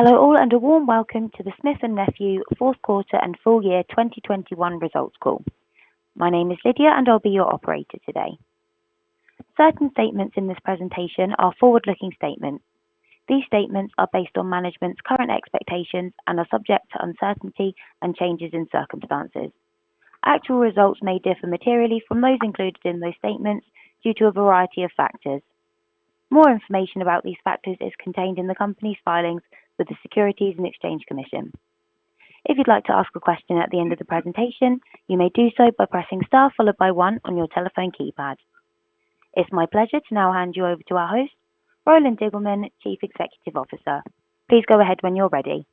Hello all, and a warm welcome to the Smith & Nephew fourth quarter and full year 2021 results call. My name is Lydia, and I'll be your operator today. Certain statements in this presentation are forward-looking statements. These statements are based on management's current expectations and are subject to uncertainty and changes in circumstances. Actual results may differ materially from those included in those statements due to a variety of factors. More information about these factors is contained in the company's filings with the Securities and Exchange Commission. If you'd like to ask a question at the end of the presentation, you may do so by pressing star followed by one on your telephone keypad. It's my pleasure to now hand you over to our host, Roland Diggelmann, Chief Executive Officer. Please go ahead when you're ready.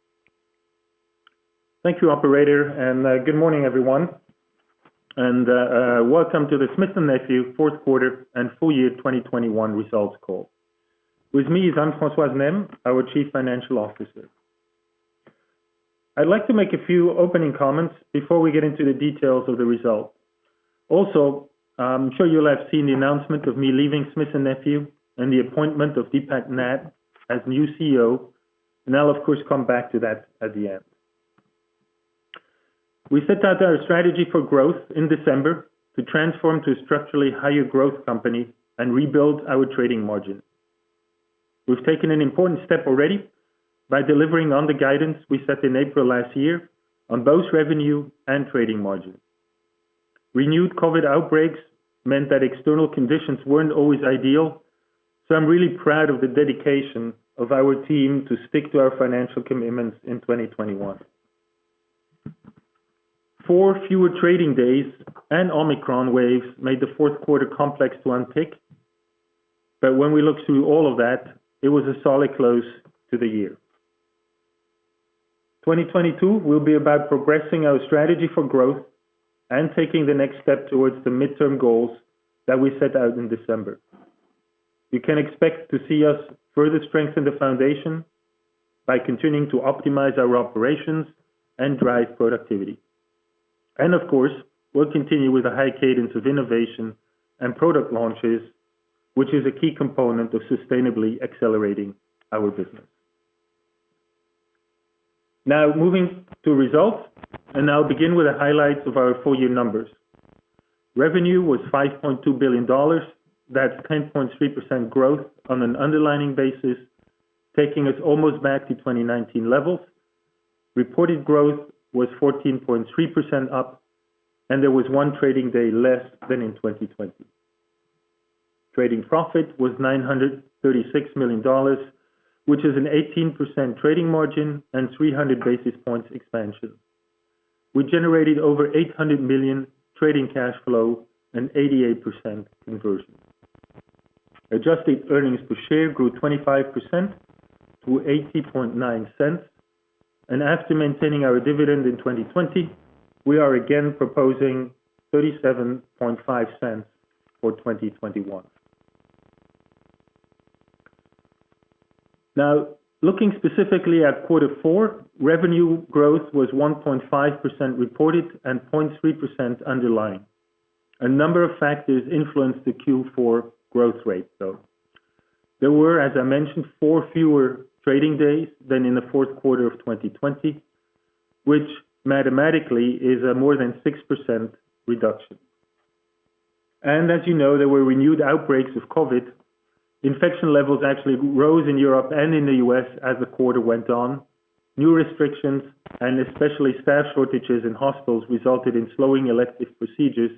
Thank you, operator, and good morning, everyone. Welcome to the Smith & Nephew fourth quarter and full year 2021 results call. With me is Anne-Françoise Nesmes, our Chief Financial Officer. I'd like to make a few opening comments before we get into the details of the results. Also, I'm sure you'll have seen the announcement of me leaving Smith & Nephew and the appointment of Deepak Nath as new CEO, and I'll of course come back to that at the end. We set out our strategy for growth in December to transform to a structurally higher growth company and rebuild our trading margin. We've taken an important step already by delivering on the guidance we set in April last year on both revenue and trading margin. Renewed COVID outbreaks meant that external conditions weren't always ideal, so I'm really proud of the dedication of our team to stick to our financial commitments in 2021. Four fewer trading days and Omicron waves made the fourth quarter complex to unpick. When we look through all of that, it was a solid close to the year. 2022 will be about progressing our strategy for growth and taking the next step towards the midterm goals that we set out in December. You can expect to see us further strengthen the foundation by continuing to optimize our operations and drive productivity. Of course, we'll continue with a high cadence of innovation and product launches, which is a key component of sustainably accelerating our business. Now moving to results, and I'll begin with the highlights of our full year numbers. Revenue was $5.2 billion. That's 10.3% growth on an underlying basis, taking us almost back to 2019 levels. Reported growth was 14.3% up, and there was one trading day less than in 2020. Trading profit was $936 million, which is an 18% trading margin and 300 basis points expansion. We generated over $800 million trading cash flow and 88% conversion. Adjusted earnings per share grew 25% to $0.809. After maintaining our dividend in 2020, we are again proposing $0.375 for 2021. Now, looking specifically at quarter four, revenue growth was 1.5% reported and 0.3% underlying. A number of factors influenced the Q4 growth rate, though. There were, as I mentioned, four fewer trading days than in the fourth quarter of 2020, which mathematically is a more than 6% reduction. As you know, there were renewed outbreaks of COVID. Infection levels actually rose in Europe and in the U.S. as the quarter went on. New restrictions and especially staff shortages in hospitals resulted in slowing elective procedures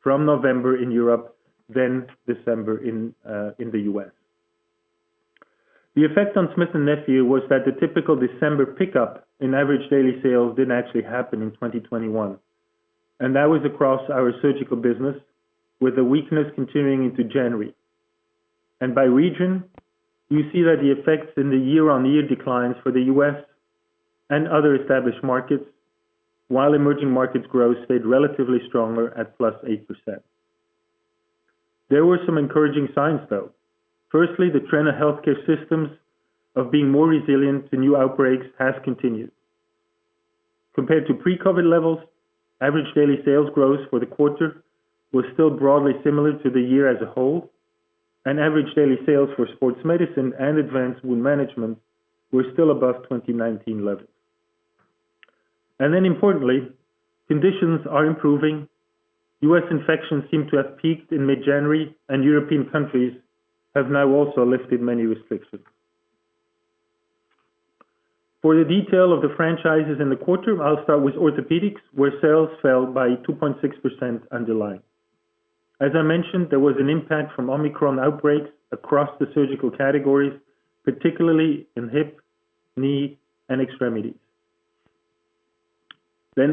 from November in Europe, then December in the U.S. The effect on Smith & Nephew was that the typical December pickup in average daily sales didn't actually happen in 2021, and that was across our surgical business, with the weakness continuing into January. By region, you see that the effects in the year-on-year declines for the U.S. and other established markets, while emerging markets growth stayed relatively stronger at +8%. There were some encouraging signs, though. Firstly, the trend of healthcare systems of being more resilient to new outbreaks has continued. Compared to pre-COVID levels, average daily sales growth for the quarter was still broadly similar to the year as a whole, and average daily sales for sports medicine and advanced wound management were still above 2019 levels. Importantly, conditions are improving. U.S. infections seem to have peaked in mid-January, and European countries have now also lifted many restrictions. For the detail of the franchises in the quarter, I'll start with orthopedics, where sales fell by 2.6% underlying. As I mentioned, there was an impact from Omicron outbreaks across the surgical categories, particularly in hip, knee, and extremities. Hip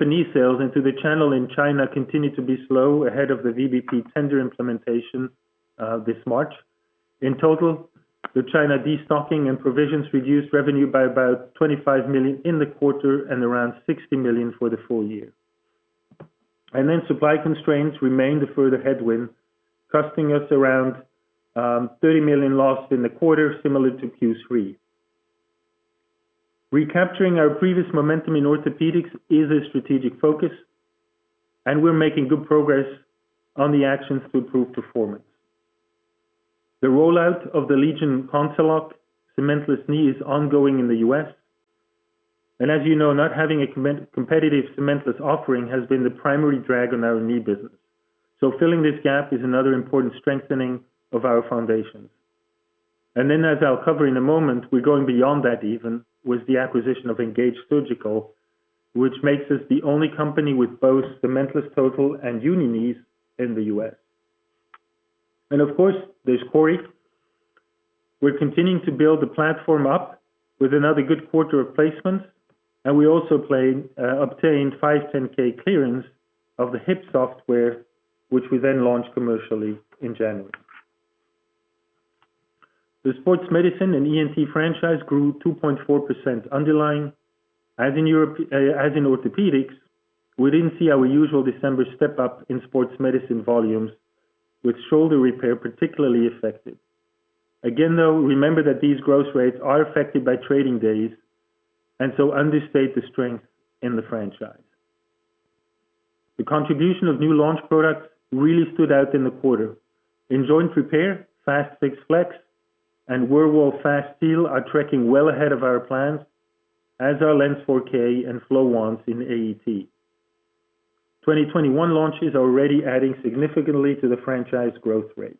and knee sales into the channel in China continued to be slow ahead of the VBP tender implementation this March. In total, the China destocking and provisions reduced revenue by about $25 million in the quarter and around $60 million for the full year. Supply constraints remained a further headwind, costing us around $30 million lost in the quarter, similar to Q3. Recapturing our previous momentum in orthopedics is a strategic focus, and we're making good progress on the actions to improve performance. The rollout of the LEGION CONCELOC Cementless Knee is ongoing in the U.S. As you know, not having a competitive cementless offering has been the primary drag on our knee business. Filling this gap is another important strengthening of our foundations. As I'll cover in a moment, we're going beyond that even with the acquisition of Engage Surgical, which makes us the only company with both cementless total and uni knees in the U.S. Of course, there's CORI. We're continuing to build the platform up with another good quarter replacement, and we also obtained 510(k) clearance of the hip software, which we then launched commercially in January. The sports medicine and ENT franchise grew 2.4% underlying. As in Europe, as in orthopedics, we didn't see our usual December step-up in sports medicine volumes, with shoulder repair particularly affected. Again, though, remember that these growth rates are affected by trading days and so understate the strength in the franchise. The contribution of new launch products really stood out in the quarter. In joint repair, FAST-FIX FLEX and WEREWOLF FASTSEAL are tracking well ahead of our plans, as are LENS 4K and FLOW 1 in AET. 2021 launches are already adding significantly to the franchise growth rate.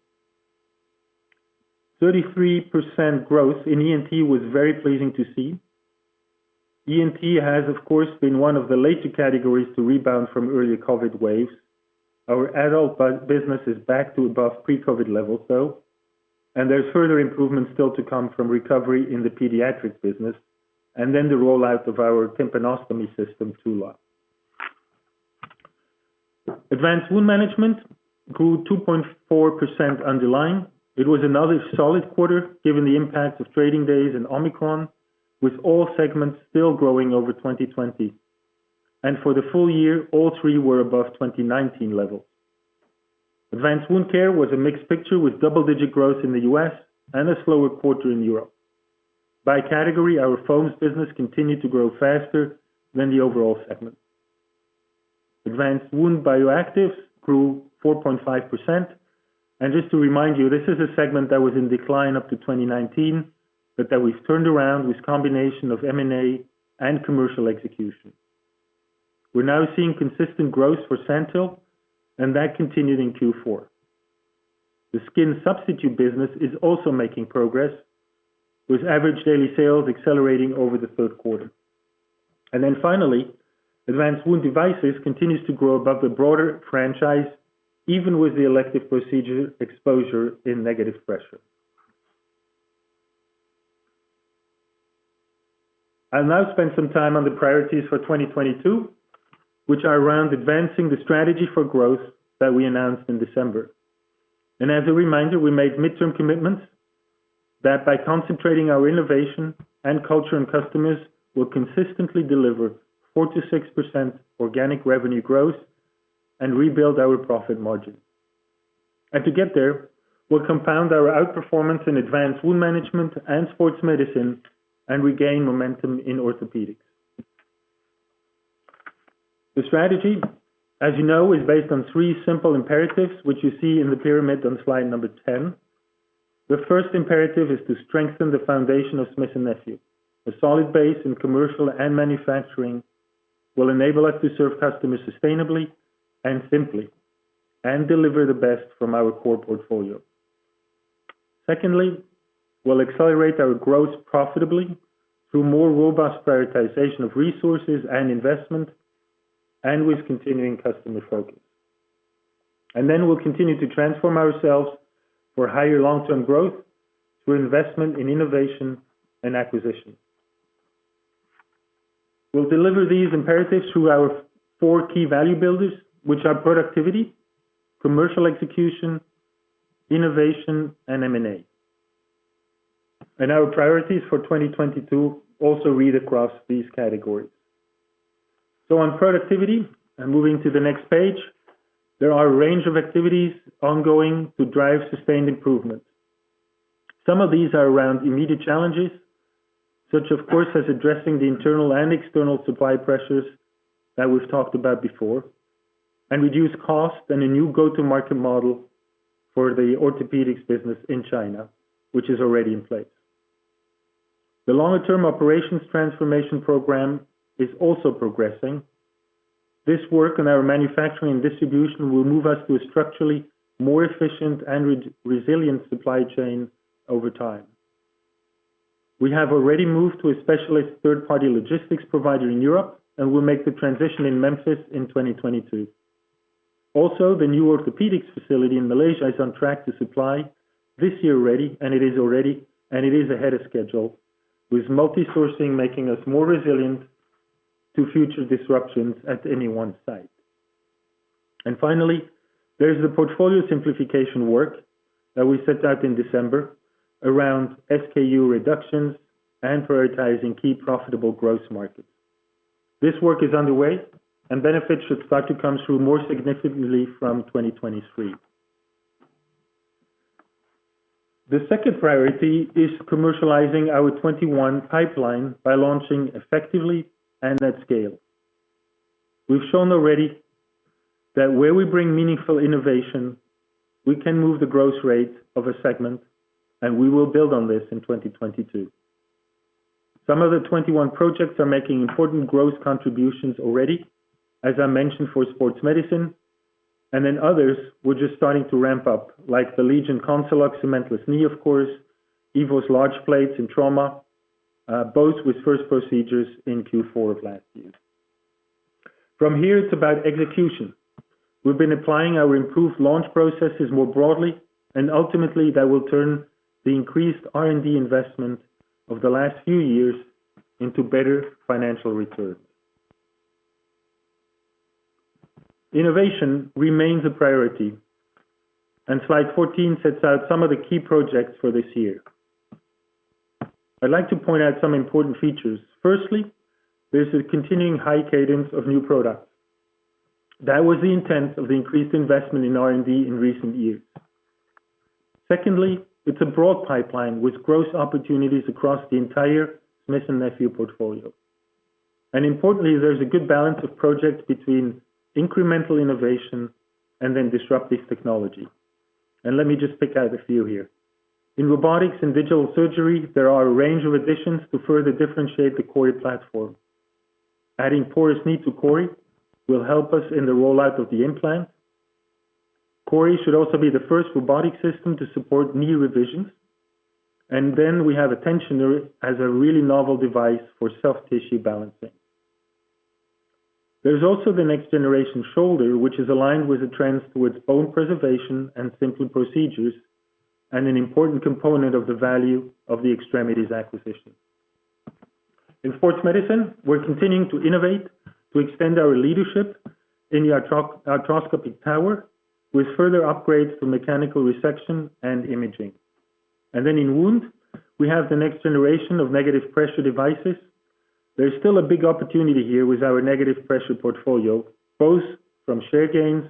33% growth in ENT was very pleasing to see. ENT has, of course, been one of the later categories to rebound from earlier COVID waves. Our adult business is back to above pre-COVID levels, though, and there's further improvements still to come from recovery in the pediatric business and then the rollout of our tympanostomy system Tula line. Advanced Wound Management grew 2.4% underlying. It was another solid quarter, given the impact of trading days and Omicron, with all segments still growing over 2020. For the full year, all three were above 2019 levels. Advanced Wound Care was a mixed picture with double-digit growth in the U.S. and a slower quarter in Europe. By category, our foams business continued to grow faster than the overall segment. Advanced Wound Bioactives grew 4.5%. Just to remind you, this is a segment that was in decline up to 2019, but that we've turned around with combination of M&A and commercial execution. We're now seeing consistent growth for SANTYL, and that continued in Q4. The skin substitute business is also making progress, with average daily sales accelerating over the third quarter. Finally, Advanced Wound Devices continues to grow above the broader franchise, even with the elective procedure exposure in negative pressure. I'll now spend some time on the priorities for 2022, which are around advancing the strategy for growth that we announced in December. As a reminder, we made midterm commitments that by concentrating our innovation and culture and customers, we'll consistently deliver 4%-6% organic revenue growth and rebuild our profit margin. To get there, we'll compound our outperformance in Advanced Wound Management and Sports Medicine and regain momentum in Orthopaedics. The strategy, as you know, is based on three simple imperatives, which you see in the pyramid on slide number 10. The first imperative is to strengthen the foundation of Smith & Nephew. A solid base in commercial and manufacturing will enable us to serve customers sustainably and simply and deliver the best from our core portfolio. Secondly, we'll accelerate our growth profitably through more robust prioritization of resources and investment and with continuing customer focus. We'll continue to transform ourselves for higher long-term growth through investment in innovation and acquisition. We'll deliver these imperatives through our four key value builders, which are productivity, commercial execution, innovation, and M&A. Our priorities for 2022 also read across these categories. On productivity, and moving to the next page, there are a range of activities ongoing to drive sustained improvement. Some of these are around immediate challenges, such as, of course, addressing the internal and external supply pressures that we've talked about before, and reducing costs and a new go-to-market model for the orthopaedics business in China, which is already in place. The longer-term operations transformation program is also progressing. This work on our manufacturing and distribution will move us to a structurally more efficient and resilient supply chain over time. We have already moved to a specialist third-party logistics provider in Europe, and we'll make the transition in Memphis in 2022. The new orthopedics facility in Malaysia is on track to supply this year ready, and it is already ahead of schedule, with multi-sourcing making us more resilient to future disruptions at any one site. Finally, there's the portfolio simplification work that we set out in December around SKU reductions and prioritizing key profitable growth markets. This work is underway, and benefits should start to come through more significantly from 2023. The second priority is commercializing our 2021 pipeline by launching effectively and at scale. We've shown already that where we bring meaningful innovation, we can move the growth rate of a segment, and we will build on this in 2022. Some of the 21 projects are making important growth contributions already, as I mentioned, for Sports Medicine, and then others, we're just starting to ramp up, like the LEGION CONCELOC cementless knee, of course, EVOS large plates in trauma, both with first procedures in Q4 of last year. From here, it's about execution. We've been applying our improved launch processes more broadly, and ultimately, that will turn the increased R&D investment of the last few years into better financial returns. Innovation remains a priority, and slide 14 sets out some of the key projects for this year. I'd like to point out some important features. Firstly, there's a continuing high cadence of new products. That was the intent of the increased investment in R&D in recent years. Secondly, it's a broad pipeline with growth opportunities across the entire Smith & Nephew portfolio. Importantly, there's a good balance of projects between incremental innovation and then disruptive technology. Let me just pick out a few here. In robotics and digital surgery, there are a range of additions to further differentiate the CORI platform. Adding porous knee to CORI will help us in the rollout of the implant. CORI should also be the first robotic system to support knee revisions. Then we have a tensioner as a really novel device for soft tissue balancing. There's also the next generation shoulder, which is aligned with the trends towards bone preservation and simple procedures, and an important component of the value of the Extremities acquisition. In sports medicine, we're continuing to innovate to extend our leadership in the arthroscopic tower with further upgrades to mechanical resection and imaging. Then in wound, we have the next generation of negative pressure devices. There's still a big opportunity here with our negative pressure portfolio, both from share gains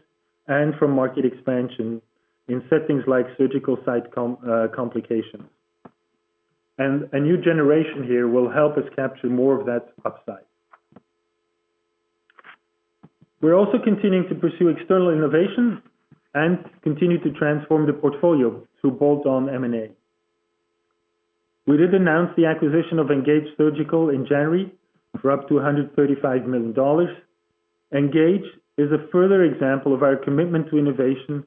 and from market expansion in settings like surgical site complication. A new generation here will help us capture more of that upside. We're also continuing to pursue external innovation and continue to transform the portfolio through bolt-on M&A. We did announce the acquisition of Engage Surgical in January for up to $135 million. Engage is a further example of our commitment to innovation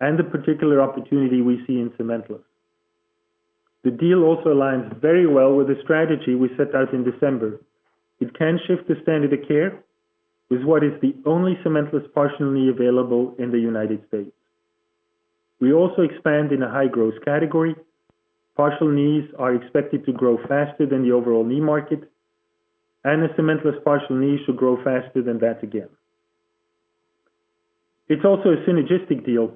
and the particular opportunity we see in cementless. The deal also aligns very well with the strategy we set out in December. It can shift the standard of care with what is the only cementless partial knee available in the United States. We also expand in a high-growth category. Partial knees are expected to grow faster than the overall knee market, and the cementless partial knee should grow faster than that again. It's also a synergistic deal.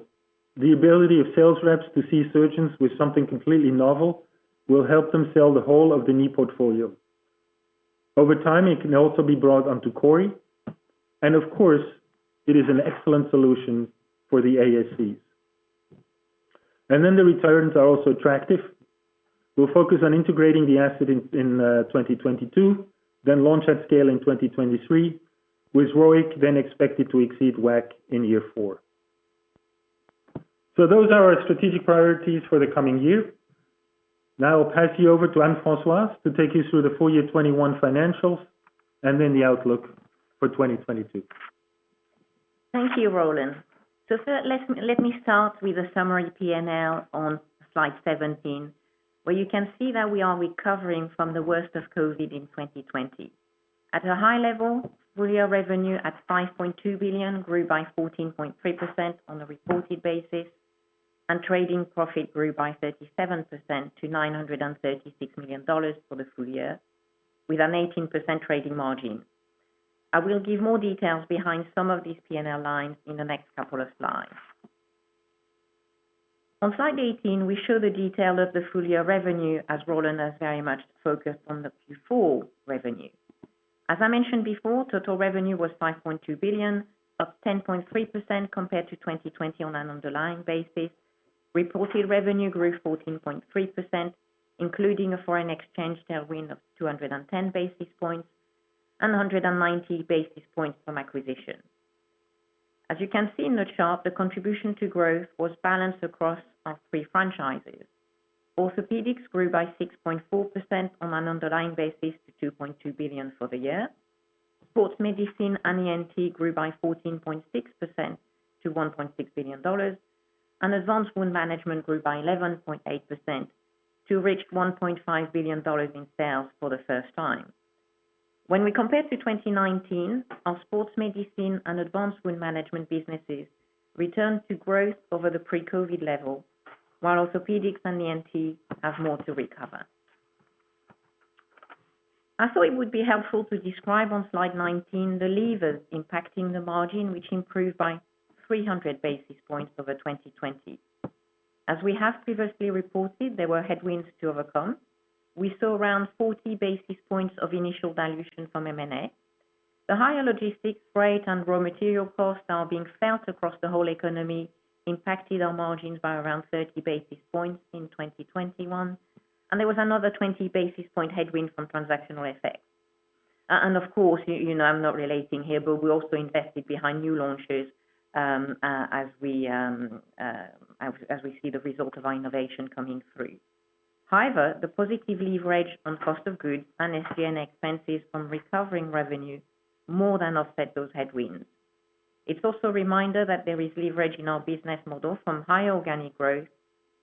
The ability of sales reps to see surgeons with something completely novel will help them sell the whole of the knee portfolio. Over time, it can also be brought onto CORI. Of course, it is an excellent solution for the ASCs. Then the returns are also attractive. We'll focus on integrating the asset in 2022, then launch at scale in 2023, with ROIC then expected to exceed WACC in year four. Those are our strategic priorities for the coming year. Now I'll pass you over to Anne-Françoise to take you through the full year 2021 financials and then the outlook for 2022. Thank you, Roland. Let me start with a summary P&L on slide 17, where you can see that we are recovering from the worst of COVID in 2020. At a high level, full-year revenue at $5.2 billion grew by 14.3% on a reported basis, and trading profit grew by 37% to $936 million for the full year with an 18% trading margin. I will give more details behind some of these P&L lines in the next couple of slides. On slide 18, we show the detail of the full-year revenue as Roland has very much focused on the Q4 revenue. As I mentioned before, total revenue was $5.2 billion, up 10.3% compared to 2020 on an underlying basis. Reported revenue grew 14.3%, including a foreign exchange tailwind of 210 basis points and 190 basis points from acquisition. As you can see in the chart, the contribution to growth was balanced across our three franchises. Orthopaedics grew by 6.4% on an underlying basis to $2.2 billion for the year. Sports Medicine and ENT grew by 14.6% to $1.6 billion. Advanced Wound Management grew by 11.8% to reach $1.5 billion in sales for the first time. When we compare to 2019, our Sports Medicine and Advanced Wound Management businesses returned to growth over the pre-COVID level, while Orthopaedics and ENT have more to recover. I thought it would be helpful to describe on slide 19 the levers impacting the margin, which improved by 300 basis points over 2020. As we have previously reported, there were headwinds to overcome. We saw around 40 basis points of initial dilution from M&A. The higher logistics rate and raw material costs are being felt across the whole economy, impacted our margins by around 30 basis points in 2021, and there was another 20 basis point headwind from transactional effects. Of course, you know, I'm not reiterating here, but we also invested behind new launches, as we see the result of our innovation coming through. However, the positive leverage on cost of goods and SG&A expenses from recovering revenue more than offset those headwinds. It's also a reminder that there is leverage in our business model from high organic growth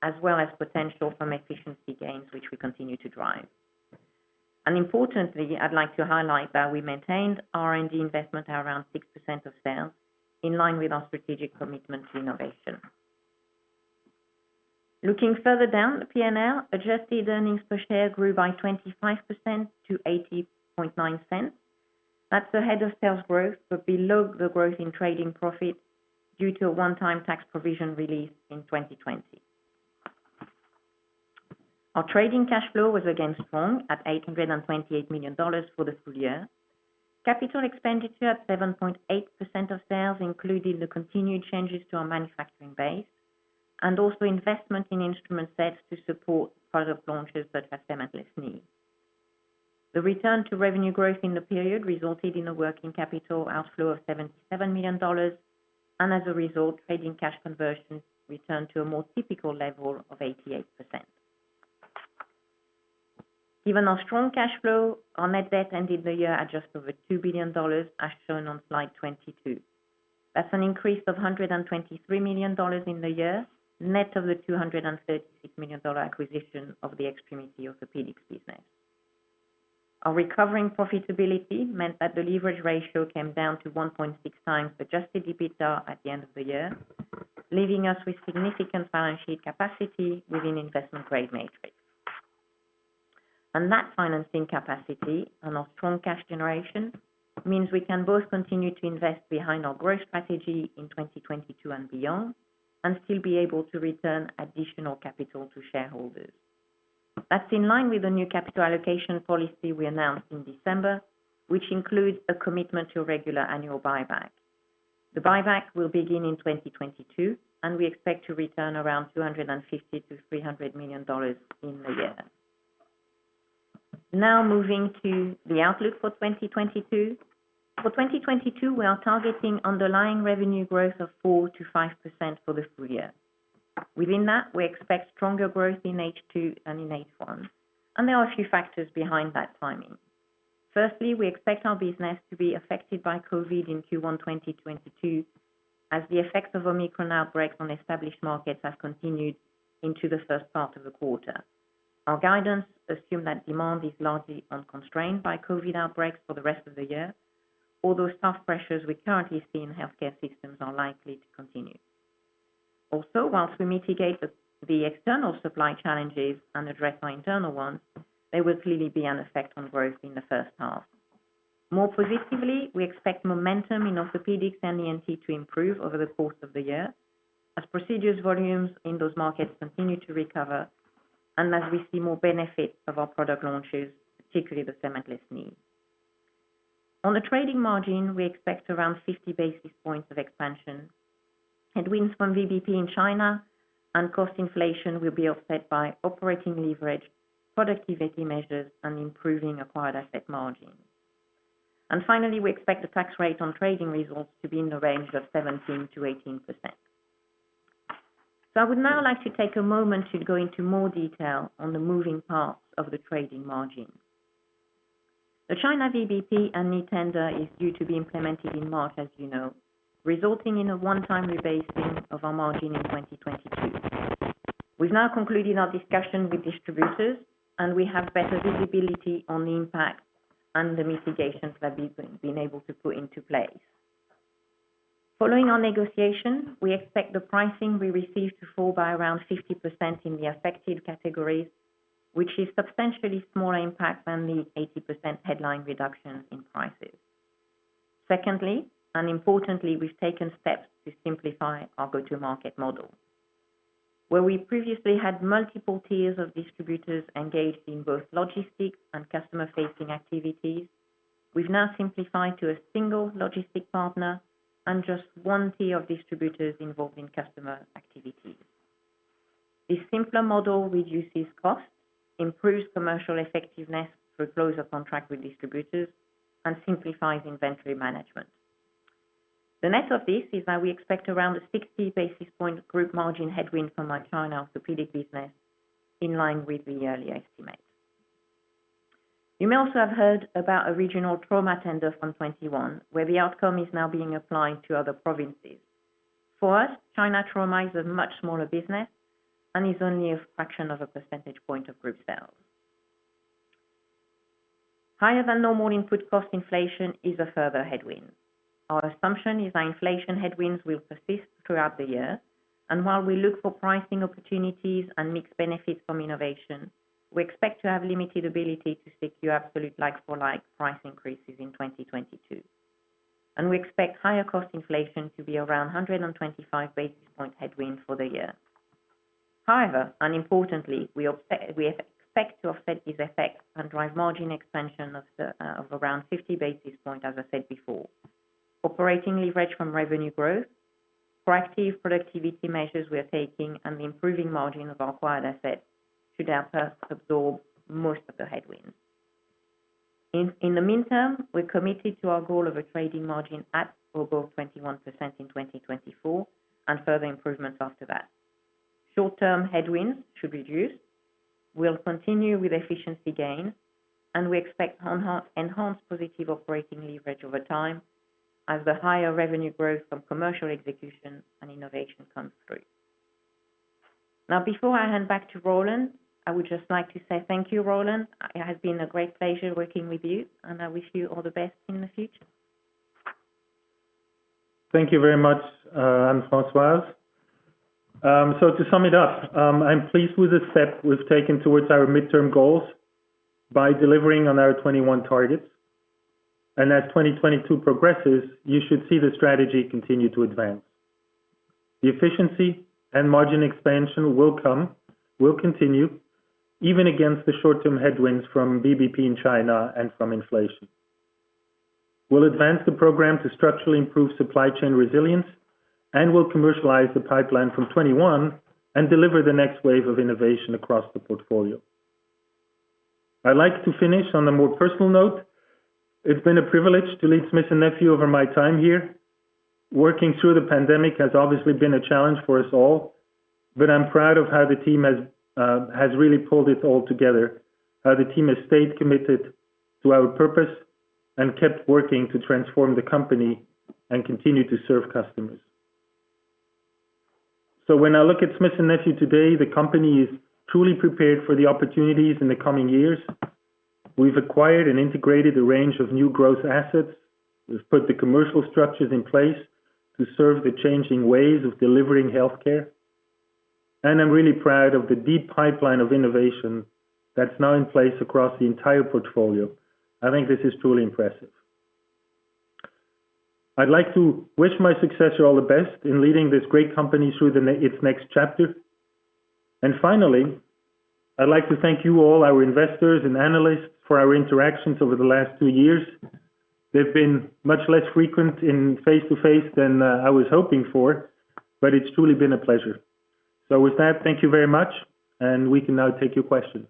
as well as potential from efficiency gains, which we continue to drive. Importantly, I'd like to highlight that we maintained R&D investment at around 6% of sales, in line with our strategic commitment to innovation. Looking further down the P&L, adjusted earnings per share grew by 25% to $0.809. That's ahead of sales growth, but below the growth in trading profit due to a one-time tax provision release in 2020. Our trading cash flow was again strong at $828 million for the full year. Capital expenditure at 7.8% of sales included the continued changes to our manufacturing base and also investment in instrument sets to support product launches such as cementless knee. The return to revenue growth in the period resulted in a working capital outflow of $77 million and as a result, trading cash conversion returned to a more typical level of 88%. Given our strong cash flow, our net debt ended the year at just over $2 billion, as shown on slide 22. That's an increase of $123 million in the year, net of the $236 million acquisition of the Extremity Orthopaedics business. Our recovering profitability meant that the leverage ratio came down to 1.6x adjusted EBITDA at the end of the year, leaving us with significant balance sheet capacity within investment grade matrix. That financing capacity and our strong cash generation means we can both continue to invest behind our growth strategy in 2022 and beyond, and still be able to return additional capital to shareholders. That's in line with the new capital allocation policy we announced in December, which includes a commitment to regular annual buyback. The buyback will begin in 2022, and we expect to return around $250 million-$300 million in the year. Now moving to the outlook for 2022. For 2022, we are targeting underlying revenue growth of 4%-5% for the full year. Within that, we expect stronger growth in H2 than in H1, and there are a few factors behind that timing. Firstly, we expect our business to be affected by COVID in Q1 2022, as the effects of Omicron outbreaks on established markets have continued into the first part of the quarter. Our guidance assume that demand is largely unconstrained by COVID outbreaks for the rest of the year, although staff pressures we currently see in healthcare systems are likely to continue. Also, while we mitigate the external supply challenges and address our internal ones, there will clearly be an effect on growth in the first half. More positively, we expect momentum in orthopedics and ENT to improve over the course of the year as procedures volumes in those markets continue to recover and as we see more benefit of our product launches, particularly the cementless knee. On the trading margin, we expect around 50 basis points of expansion. Headwinds from VBP in China and cost inflation will be offset by operating leverage, productivity measures, and improving acquired asset margin. Finally, we expect the tax rate on trading results to be in the range of 17%-18%. I would now like to take a moment to go into more detail on the moving parts of the trading margin. The China VBP and e-tender is due to be implemented in March, as you know, resulting in a one-time rebasing of our margin in 2022. We've now concluded our discussion with distributors, and we have better visibility on the impact and the mitigations that we've been able to put into place. Following our negotiation, we expect the pricing we receive to fall by around 50% in the affected categories, which is substantially smaller impact than the 80% headline reduction in prices. Secondly, and importantly, we've taken steps to simplify our go-to-market model. Where we previously had multiple tiers of distributors engaged in both logistics and customer-facing activities, we've now simplified to a single logistic partner and just one tier of distributors involved in customer activities. This simpler model reduces costs, improves commercial effectiveness through closer contact with distributors, and simplifies inventory management. The net of this is that we expect around a 60 basis point gross margin headwind from our China orthopedic business in line with the yearly estimate. You may also have heard about a regional trauma tender from 2021, where the outcome is now being applied to other provinces. For us, China trauma is a much smaller business and is only a fraction of a percentage point of group sales. Higher than normal input cost inflation is a further headwind. Our assumption is that inflation headwinds will persist throughout the year. While we look for pricing opportunities and mixed benefits from innovation, we expect to have limited ability to secure absolute like for like price increases in 2022. We expect higher cost inflation to be around 125 basis point headwind for the year. However, and importantly, we expect to offset this effect and drive margin expansion of around 50 basis point, as I said before. Operating leverage from revenue growth, proactive productivity measures we are taking, and the improving margin of our acquired assets should help us absorb most of the headwinds. In the meantime, we're committed to our goal of a trading margin at or above 21% in 2024 and further improvements after that. Short-term headwinds should reduce. We'll continue with efficiency gain, and we expect enhanced positive operating leverage over time as the higher revenue growth from commercial execution and innovation comes through. Now before I hand back to Roland, I would just like to say thank you, Roland. It has been a great pleasure working with you, and I wish you all the best in the future. Thank you very much, Anne-Françoise. To sum it up, I'm pleased with the step we've taken towards our midterm goals by delivering on our 2021 targets. As 2022 progresses, you should see the strategy continue to advance. The efficiency and margin expansion will continue, even against the short-term headwinds from VBP in China and from inflation. We'll advance the program to structurally improve supply chain resilience, and we'll commercialize the pipeline from 2021 and deliver the next wave of innovation across the portfolio. I'd like to finish on a more personal note. It's been a privilege to lead Smith & Nephew over my time here. Working through the pandemic has obviously been a challenge for us all, but I'm proud of how the team has really pulled it all together, how the team has stayed committed to our purpose and kept working to transform the company and continue to serve customers. When I look at Smith & Nephew today, the company is truly prepared for the opportunities in the coming years. We've acquired and integrated a range of new growth assets. We've put the commercial structures in place to serve the changing ways of delivering healthcare. I'm really proud of the deep pipeline of innovation that's now in place across the entire portfolio. I think this is truly impressive. I'd like to wish my successor all the best in leading this great company through its next chapter. Finally, I'd like to thank you all, our investors and analysts, for our interactions over the last two years. They've been much less frequent in face-to-face than I was hoping for, but it's truly been a pleasure. With that, thank you very much, and we can now take your questions.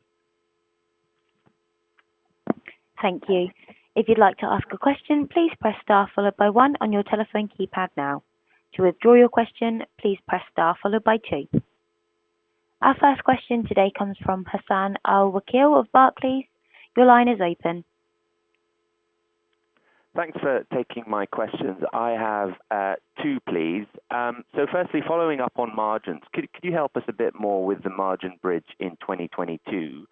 Thank you. If you'd like to ask a question, please press star followed by one on your telephone keypad now. To withdraw your question, please press star followed by two. Our first question today comes from Hassan Al-Wakeel of Barclays. Your line is open. Thanks for taking my questions. I have two, please. Firstly, following up on margins, could you help us a bit more with the margin bridge in 2022?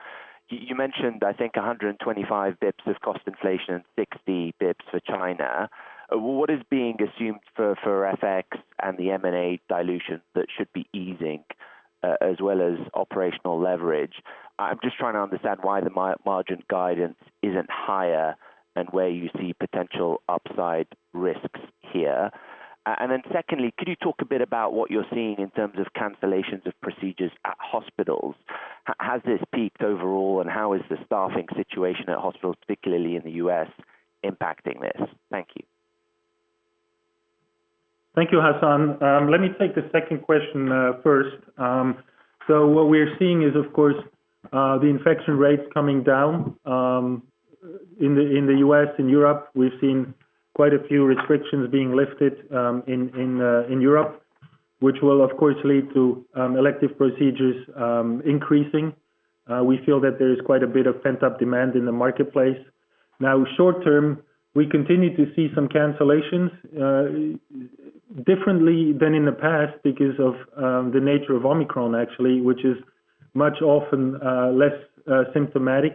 You mentioned, I think, 125 basis points of cost inflation and 60 basis points for China. What is being assumed for FX and the M&A dilution that should be easing, as well as operational leverage? I'm just trying to understand why the margin guidance isn't higher and where you see potential upside risks here. Secondly, could you talk a bit about what you're seeing in terms of cancellations of procedures at hospitals? Has this peaked overall, and how is the staffing situation at hospitals, particularly in the U.S., impacting this? Thank you. Thank you, Hassan. Let me take the second question first. So what we're seeing is, of course, the infection rates coming down in the U.S. and Europe. We've seen quite a few restrictions being lifted in Europe, which will of course lead to elective procedures increasing. We feel that there is quite a bit of pent-up demand in the marketplace. Now short term, we continue to see some cancellations differently than in the past because of the nature of Omicron actually, which is much less symptomatic.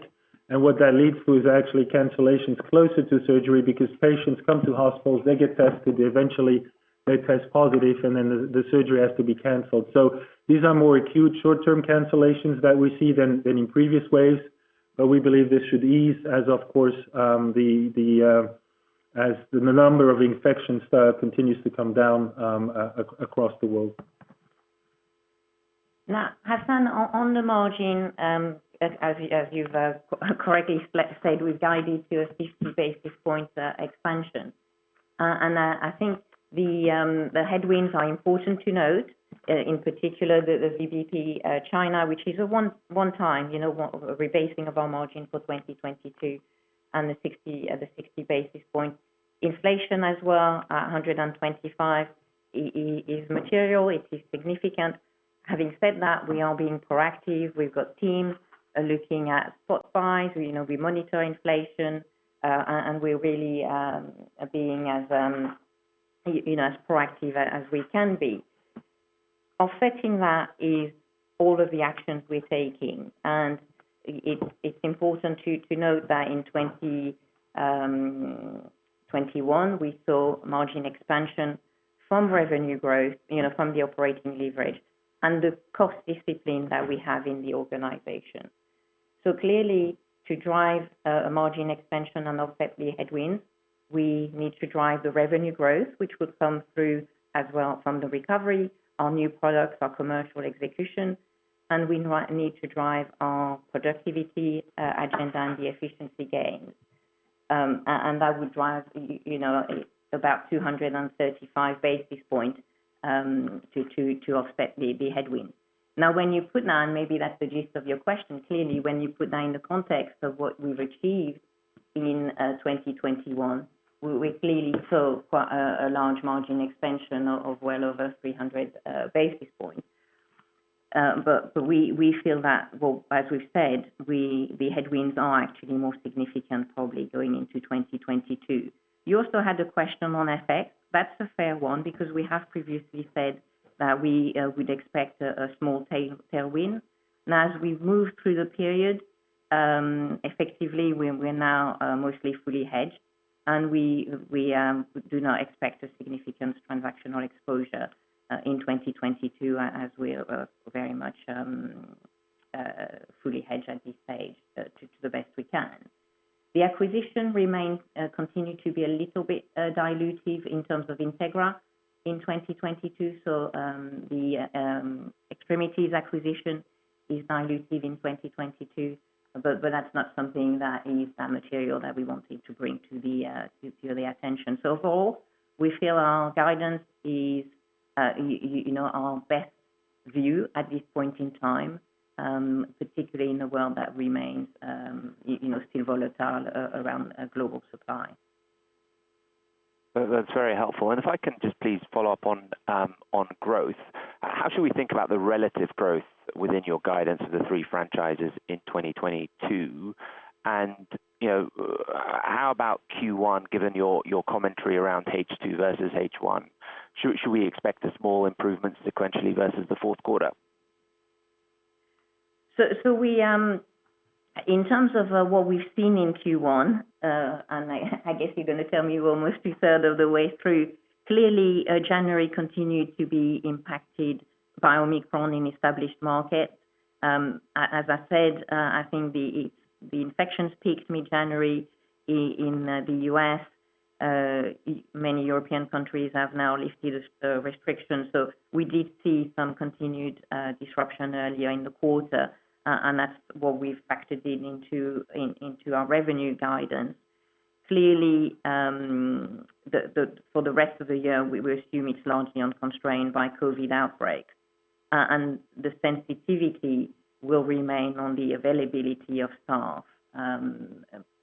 What that leads to is actually cancellations closer to surgery because patients come to hospitals, they get tested, eventually they test positive, and then the surgery has to be canceled. These are more acute short-term cancellations that we see than in previous waves. We believe this should ease as, of course, the number of infections continues to come down across the world. Now, Hassan, on the margin, as you've correctly said, we've guided to a 50 basis point expansion. I think the headwinds are important to note, in particular the VBP China, which is a one-time, you know, a rebasing of our margin for 2022 and the 60 basis point. Inflation as well at a 125 basis points is material, it is significant. Having said that, we are being proactive. We've got teams looking at spot buys. You know, we monitor inflation, and we're really being as proactive as we can be. Affecting that is all of the actions we're taking. It's important to note that in 2021, we saw margin expansion from revenue growth, you know, from the operating leverage and the cost discipline that we have in the organization. Clearly to drive a margin expansion and offset the headwind, we need to drive the revenue growth, which would come through as well from the recovery, our new products, our commercial execution. We need to drive our productivity agenda and the efficiency gains. That would drive, you know, about 235 basis points to offset the headwind. Now when you put that, and maybe that's the gist of your question, clearly, when you put that in the context of what we've achieved in 2021, we clearly saw quite a large margin expansion of well over 300 basis points. Well, as we've said, the headwinds are actually more significant probably going into 2022. You also had a question on FX. That's a fair one, because we have previously said that we would expect a small tailwind. Now, as we've moved through the period, effectively we're now mostly fully hedged and we do not expect a significant transactional exposure in 2022 as we are very much fully hedged at this stage to the best we can. The acquisition remains to continue to be a little bit dilutive in terms of Integra in 2022. The extremities acquisition is dilutive in 2022, but that's not something that is that material that we wanted to bring to your attention. Overall, we feel our guidance is, you know, our best view at this point in time, particularly in a world that remains, you know, still volatile around global supply. That's very helpful. If I can just please follow up on growth. How should we think about the relative growth within your guidance of the three franchises in 2022? You know, how about Q1 given your commentary around H2 versus H1? Should we expect a small improvement sequentially versus the fourth quarter? In terms of what we've seen in Q1, and I guess you're going to tell me we're almost a third of the way through. Clearly, January continued to be impacted by Omicron in established markets. As I said, I think the infections peaked mid-January in the U.S. Many European countries have now lifted restrictions. We did see some continued disruption earlier in the quarter, and that's what we've factored into our revenue guidance. Clearly, for the rest of the year, we assume it's largely unconstrained by COVID outbreaks, and the sensitivity will remain on the availability of staff,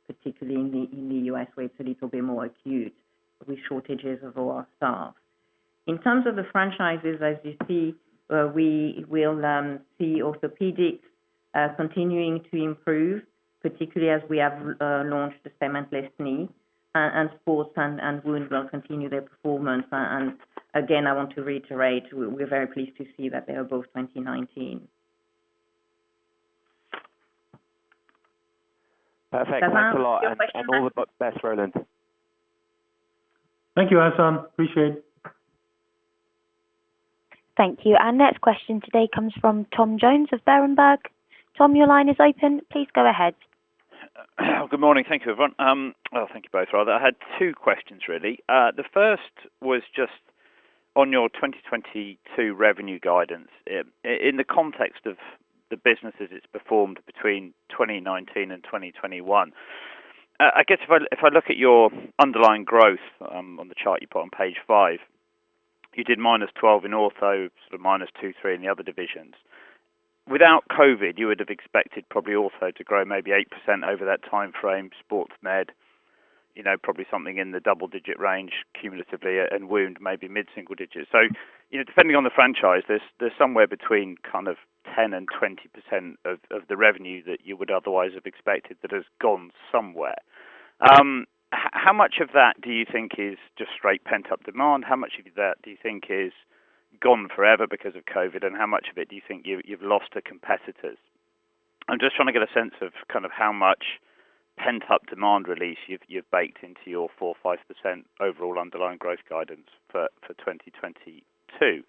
particularly in the U.S., where it's a little bit more acute with shortages of our staff. In terms of the franchises, as you see, we will see orthopedics continuing to improve, particularly as we have launched the Cementless Knee. Sports and Wound will continue their performance. Again, I want to reiterate, we're very pleased to see that they are both above 2019 levels. Perfect. Thanks a lot. Now your question. All the best, Roland. Thank you, Hassan. Appreciate it. Thank you. Our next question today comes from Tom Jones of Berenberg. Tom, your line is open. Please go ahead. Good morning. Thank you, everyone. Well, thank you both, rather. I had two questions, really. The first was just on your 2022 revenue guidance in the context of the business as it's performed between 2019 and 2021. I guess if I look at your underlying growth, on the chart you put on page 5, you did -12% in ortho, sort of minus two or three in the other divisions. Without COVID, you would have expected probably ortho to grow maybe 8% over that timeframe. Sports Med, you know, probably something in the double-digit range cumulatively, and wound maybe mid-single digits. You know, depending on the franchise, there's somewhere between kind of 10%-20% of the revenue that you would otherwise have expected that has gone somewhere. How much of that do you think is just straight pent-up demand? How much of that do you think is gone forever because of COVID? How much of it do you think you've lost to competitors? I'm just trying to get a sense of kind of how much pent-up demand release you've baked into your 4%-5% overall underlying growth guidance for 2022. Then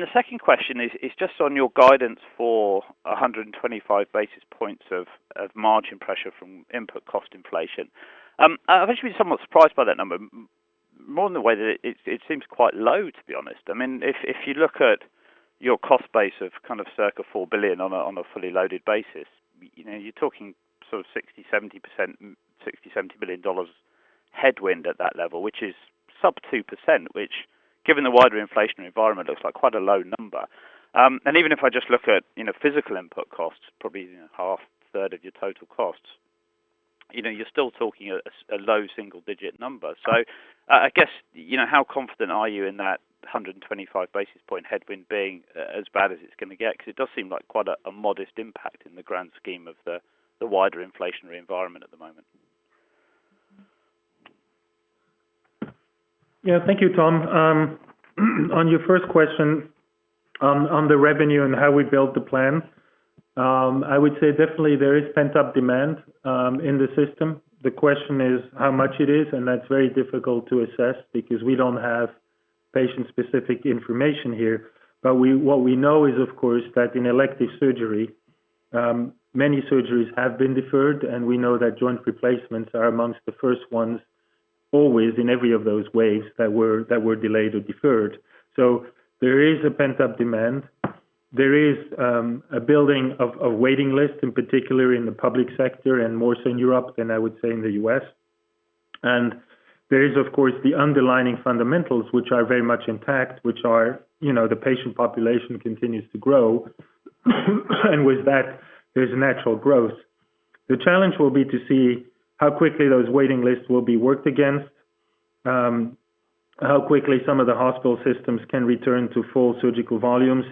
the second question is just on your guidance for 125 basis points of margin pressure from input cost inflation. I've actually been somewhat surprised by that number more in the way that it seems quite low, to be honest. I mean, if you look at your cost base of kind of circa $4 billion on a, on a fully loaded basis, you know, you're talking sort of 60%, 70%, $60 billion, $70 billion headwind at that level, which is sub 2%, which given the wider inflationary environment, looks like quite a low number. And even if I just look at, you know, physical input costs, probably half, a third of your total costs, you know, you're still talking a low single digit number. I guess, you know, how confident are you in that 125 basis points headwind being as bad as it's going to get? Because it does seem like quite a modest impact in the grand scheme of the wider inflationary environment at the moment. Yeah. Thank you, Tom. On your first question, on the revenue and how we built the plan, I would say definitely there is pent-up demand in the system. The question is how much it is, and that's very difficult to assess because we don't have patient-specific information here. But what we know is, of course, that in elective surgery, many surgeries have been deferred, and we know that joint replacements are among the first ones always in every of those waves that were delayed or deferred. So there is a pent-up demand. There is a building of waiting lists, in particular in the public sector and more so in Europe than I would say in the U.S. There is, of course, the underlying fundamentals, which are very much intact, which are, you know, the patient population continues to grow, and with that, there's natural growth. The challenge will be to see how quickly those waiting lists will be worked against, how quickly some of the hospital systems can return to full surgical volumes,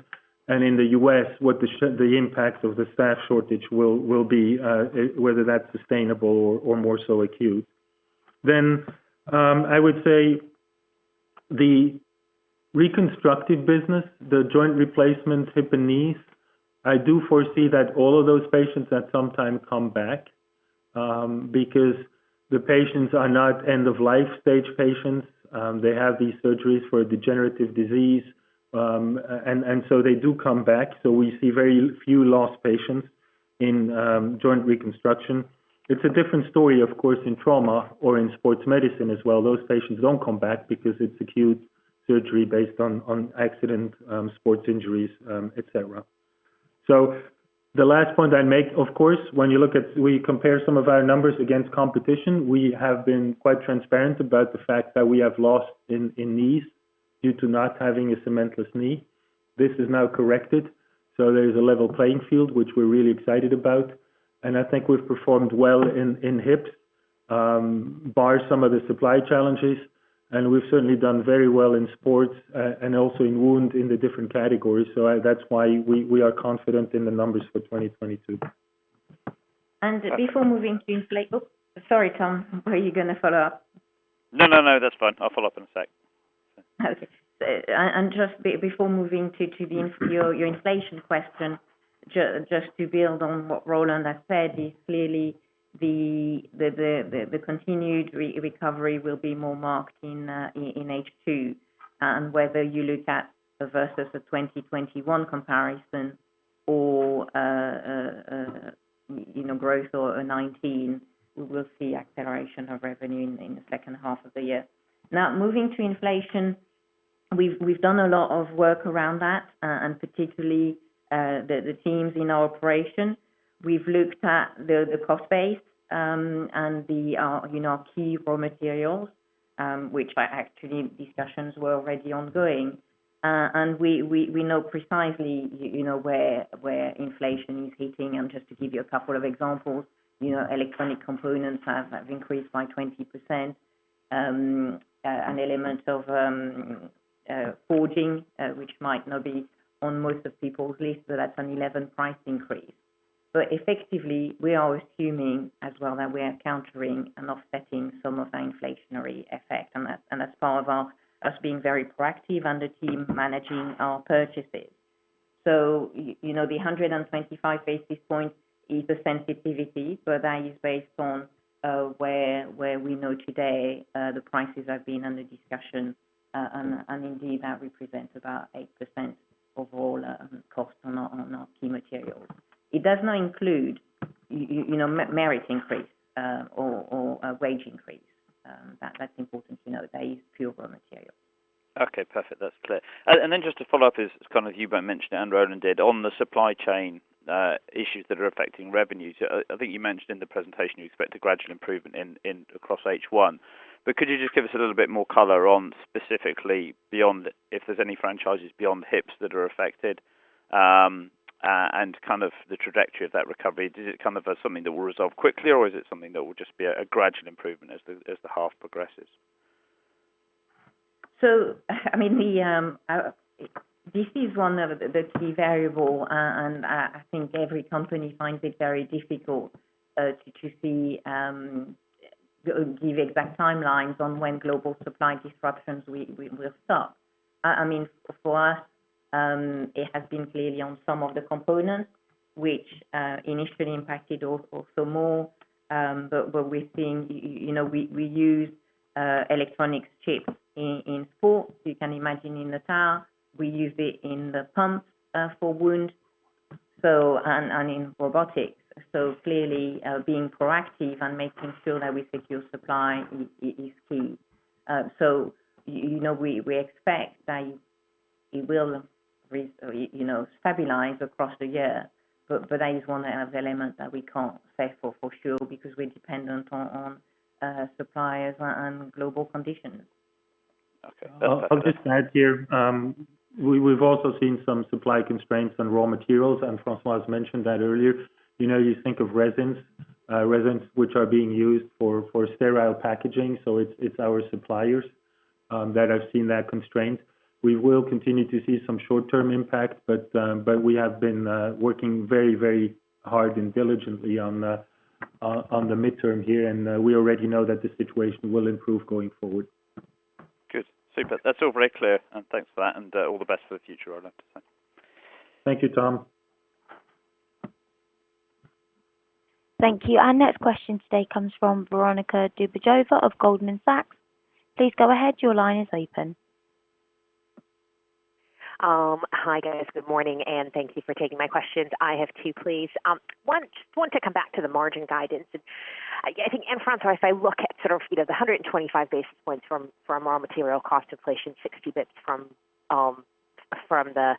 and in the U.S., what the impact of the staff shortage will be, whether that's sustainable or more so acute. I would say the reconstructive business, the joint replacements, hip and knee, I do foresee that all of those patients at some time come back, because the patients are not end-of-life-stage patients. They have these surgeries for a degenerative disease, and so they do come back. We see very few lost patients in joint reconstruction. It's a different story, of course, in trauma or in sports medicine as well. Those patients don't come back because it's acute surgery based on accident, sports injuries, et cetera. The last point I make, of course, when you look at we compare some of our numbers against competition, we have been quite transparent about the fact that we have lost in knees due to not having a cementless knee. This is now corrected, so there is a level playing field, which we're really excited about. I think we've performed well in hips, bar some of the supply challenges. We've certainly done very well in sports, and also in wound in the different categories. That's why we are confident in the numbers for 2022. Oops, sorry, Tom. Were you going to follow up? No, no. That's fine. I'll follow up in a sec. Okay. Just before moving to your inflation question, just to build on what Roland has said is clearly the continued recovery will be more marked in H2. Whether you look at versus the 2021 comparison or, you know, growth or in 2019, we will see acceleration of revenue in the second half of the year. Now, moving to inflation, we've done a lot of work around that, and particularly, the teams in our operation. We've looked at the cost base, and the, you know, key raw materials, which, actually, discussions were already ongoing. And we know precisely, you know, where inflation is hitting. Just to give you a couple of examples, you know, electronic components have increased by 20%. An element of forging, which might not be on most people's list, but that's an 11% increase. Effectively, we are assuming as well that we are countering and offsetting some of the inflationary effect. That's part of us being very proactive and the team managing our purchases. You know, the 125 basis points is the sensitivity, so that is based on where we know today the prices have been under discussion. And indeed, that represents about 8% of all costs on our key materials. It does not include you know merit increase or a wage increase. That's important to note. That is pure raw material. Okay. Perfect. That's clear. Just to follow up. It's kind of, you both mentioned and Roland did on the supply chain issues that are affecting revenues. I think you mentioned in the presentation you expect a gradual improvement across H1. Could you just give us a little bit more color on specifically, beyond if there's any franchises beyond hips that are affected, and kind of the trajectory of that recovery. Is it kind of something that will resolve quickly, or is it something that will just be a gradual improvement as the half progresses? I mean, this is one of the key variable. I think every company finds it very difficult to give exact timelines on when global supply disruptions will stop. I mean, for us, it has been clearly on some of the components which initially impacted us also more, but what we're seeing, you know, we use electronics chips in sports. You can imagine in the tower, we use it in the pump for wound, so and in robotics. Clearly, being proactive and making sure that we secure supply is key. You know, we expect that it will stabilize across the year. That is one of the elements that we can't say for sure because we're dependent on suppliers and global conditions. Okay. I'll just add here. We've also seen some supply constraints on raw materials, and Françoise has mentioned that earlier. You know, you think of resins which are being used for sterile packaging, so it's our suppliers that have seen that constraint. We will continue to see some short-term impact, but we have been working very hard and diligently on the midterm here, and we already know that the situation will improve going forward. Good. Super. That's all very clear, and thanks for that, and all the best for the future, Roland. Thank you, Tom. Thank you. Our next question today comes from Veronika Dubajova of Goldman Sachs. Please go ahead. Your line is open. Hi, guys. Good morning, and thank you for taking my questions. I have two, please. One, just want to come back to the margin guidance. I think upfront, as I look at sort of, you know, the 125 basis points from raw material cost inflation, 60 basis points from the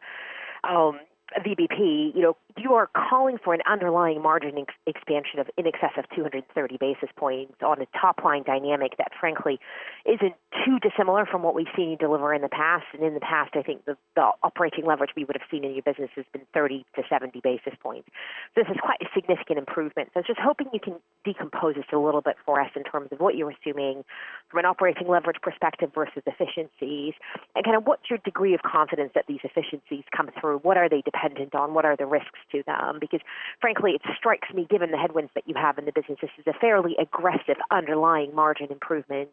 VBP, you know, you are calling for an underlying margin expansion of in excess of 230 basis points on a top-line dynamic that frankly isn't too dissimilar from what we've seen you deliver in the past. In the past, I think the operating leverage we would have seen in your business has been 30-70 basis points. This is quite a significant improvement. Just hoping you can decompose this a little bit for us in terms of what you're assuming from an operating leverage perspective versus efficiencies and kind of what's your degree of confidence that these efficiencies come through? What are they dependent on? What are the risks to them? Because frankly, it strikes me, given the headwinds that you have in the business, this is a fairly aggressive underlying margin improvement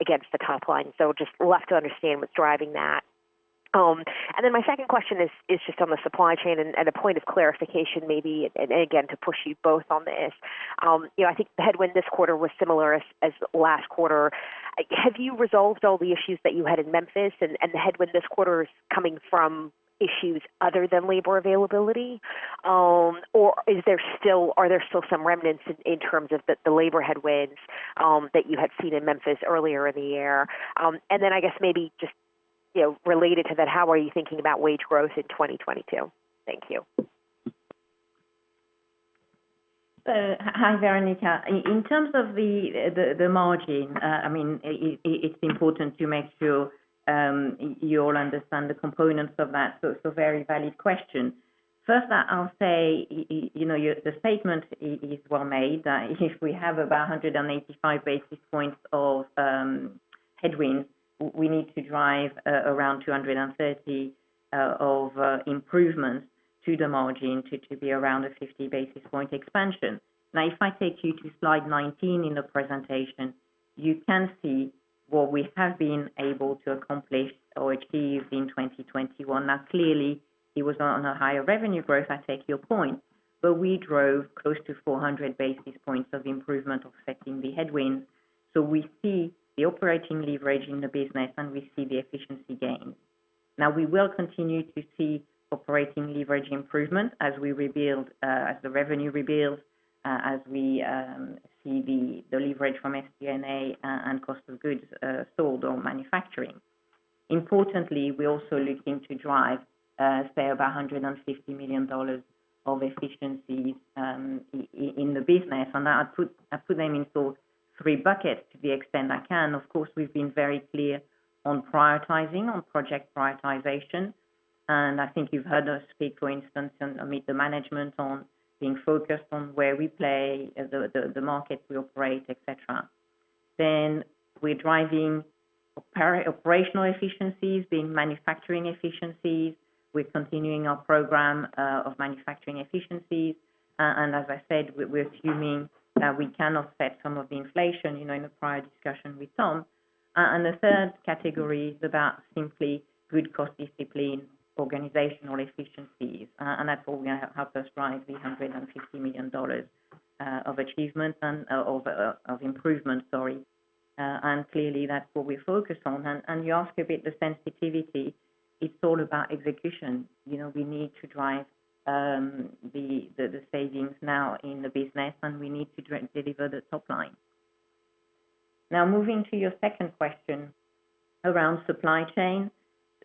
against the top line. Just love to understand what's driving that. Then my second question is just on the supply chain and a point of clarification maybe and again, to push you both on this. You know, I think the headwind this quarter was similar as last quarter. Have you resolved all the issues that you had in Memphis and the headwind this quarter is coming from issues other than labor availability? Or are there still some remnants in terms of the labor headwinds that you had seen in Memphis earlier in the year? I guess maybe just, you know, related to that, how are you thinking about wage growth in 2022? Thank you. Hi, Veronica. In terms of the margin, I mean, it's important to make sure you all understand the components of that, so it's a very valid question. First, I'll say, you know, your statement is well made, that if we have about 185 basis points of headwind, we need to drive around 230 basis points of improvements to the margin to be around a 50 basis points expansion. Now, if I take you to slide 19 in the presentation, you can see what we have been able to accomplish or achieve in 2021. Now, clearly it was not on a higher revenue growth, I take your point, but we drove close to 400 basis points of improvement offsetting the headwind. We see the operating leverage in the business, and we see the efficiency gain. Now, we will continue to see operating leverage improvement as we rebuild, as the revenue rebuilds, as we see the leverage from SG&A and cost of goods sold or manufacturing. Importantly, we're also looking to drive, say, about $150 million of efficiencies in the business. I put them in those three buckets to the extent I can. Of course, we've been very clear on prioritizing, on project prioritization, and I think you've heard us speak, for instance, I mean, the management on being focused on where we play, the market we operate, et cetera. We're driving operational efficiencies, being manufacturing efficiencies. We're continuing our program of manufacturing efficiencies. As I said, we're assuming that we can offset some of the inflation, you know, in the prior discussion with Tom. The third category is about simply good cost discipline, organizational efficiencies, and that's all going to help us drive the $150 million of achievement and of improvement, sorry. Clearly that's what we focus on. You ask a bit the sensitivity. It's all about execution. You know, we need to drive the savings now in the business, and we need to deliver the top line. Now, moving to your second question around supply chain.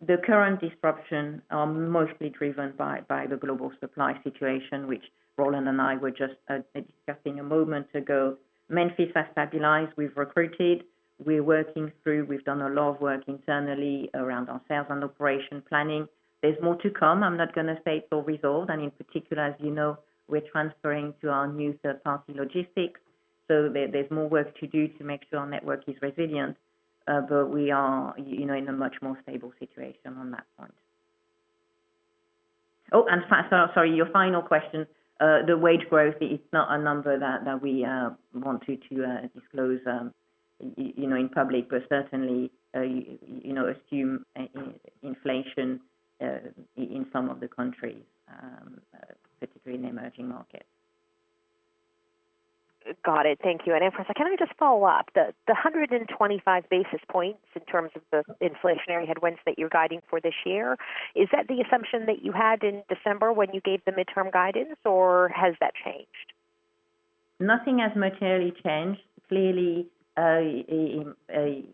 The current disruption are mostly driven by the global supply situation, which Roland and I were just discussing a moment ago. Memphis has stabilized. We've recruited. We're working through. We've done a lot of work internally around our sales and operations planning. There's more to come. I'm not going to say it's all resolved. In particular, as you know, we're transferring to our new third-party logistics. There, there's more work to do to make sure our network is resilient. We are, you know, in a much more stable situation on that point. Sorry, your final question. The wage growth is not a number that we want to disclose, you know, in public, but certainly, you know, assume inflation in some of the countries, particularly in the emerging markets. Got it. Thank you. If I can I just follow up? The 125 basis points in terms of the inflationary headwinds that you're guiding for this year, is that the assumption that you had in December when you gave the midterm guidance, or has that changed? Nothing has materially changed. Clearly, by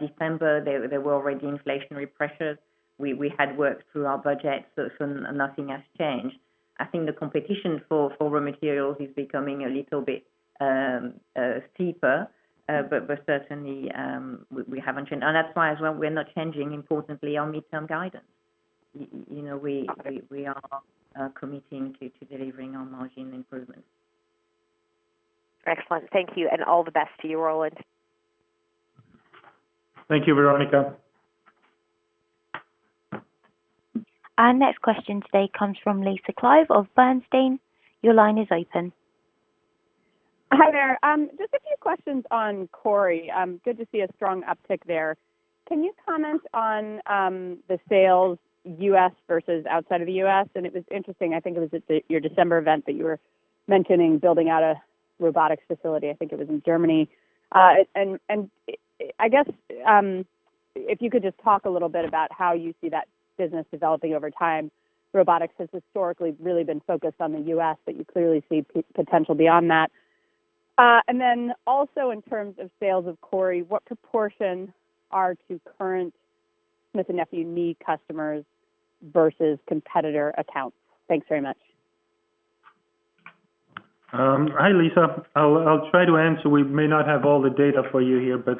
December, there were already inflationary pressures. We had worked through our budget, so nothing has changed. I think the competition for raw materials is becoming a little bit steeper, but certainly, we haven't changed. That's why as well we're not changing importantly our midterm guidance. You know, we are committing to delivering our margin improvement. Excellent. Thank you. All the best to you, Roland. Thank you, Veronika. Our next question today comes from Lisa Clive of Bernstein. Your line is open. Just a few questions on CORI. Good to see a strong uptick there. Can you comment on the sales U.S. versus outside of the U.S.? It was interesting, I think it was at your December event that you were mentioning building out a robotics facility. I think it was in Germany. I guess if you could just talk a little bit about how you see that business developing over time. Robotics has historically really been focused on the U.S., but you clearly see potential beyond that. Then also in terms of sales of CORI, what proportion are to current Smith & Nephew knee customers versus competitor accounts? Thanks very much. Hi, Lisa. I'll try to answer. We may not have all the data for you here, but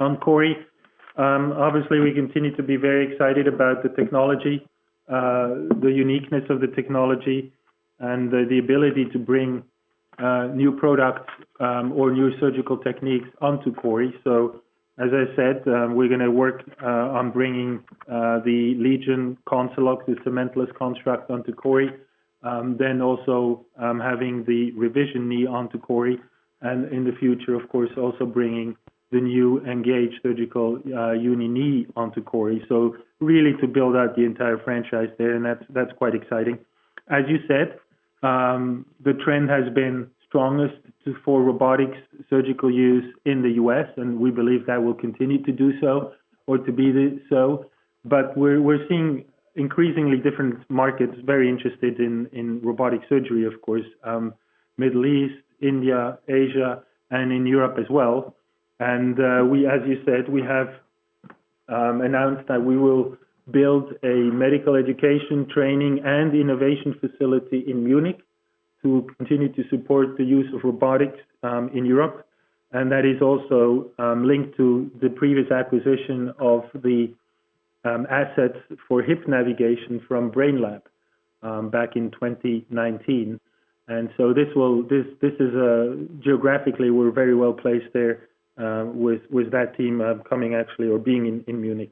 on CORI, obviously, we continue to be very excited about the technology, the uniqueness of the technology and the ability to bring new products or new surgical techniques onto CORI. As I said, we're going to work on bringing the LEGION CONCELOC, the cementless construct onto CORI. Also, having the revision knee onto CORI, and in the future, of course, also bringing the new Engage Surgical uni knee onto CORI. Really to build out the entire franchise there. That's quite exciting. As you said, the trend has been strongest for robotics surgical use in the U.S., and we believe that will continue to do so or to be so. We're seeing increasingly different markets very interested in robotic surgery, of course, Middle East, India, Asia, and in Europe as well. As you said, we have announced that we will build a medical education training and innovation facility in Munich to continue to support the use of robotics in Europe. That is also linked to the previous acquisition of the assets for hip navigation from Brainlab back in 2019. This is, geographically, we're very well placed there with that team coming actually or being in Munich.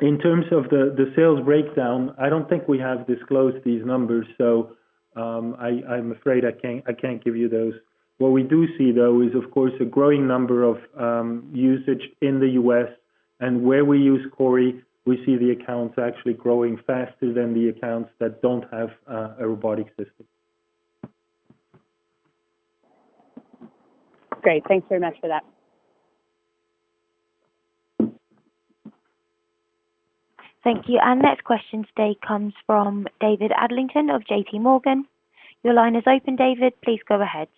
In terms of the sales breakdown, I don't think we have disclosed these numbers, so I'm afraid I can't give you those. What we do see, though, is of course, a growing number of usage in the U.S. Where we use CORI, we see the accounts actually growing faster than the accounts that don't have a robotic system. Great. Thanks very much for that. Thank you. Our next question today comes from David Adlington of J.P. Morgan. Your line is open, David. Please go ahead.